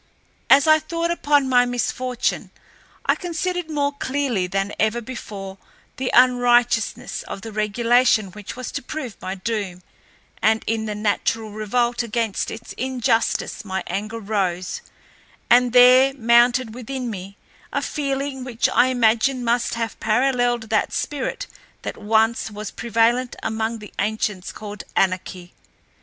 As I thought upon my misfortune, I considered more clearly than ever before the unrighteousness of the regulation which was to prove my doom, and in the natural revolt against its injustice my anger rose, and there mounted within me a feeling which I imagine must have paralleled that spirit that once was prevalent among the ancients called anarchy.